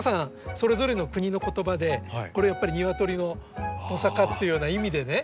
それぞれの国の言葉でやっぱり鶏のトサカっていうような意味でね